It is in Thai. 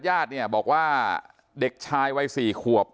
ญาติบอกว่าเด็กชายวัย๔ขวบ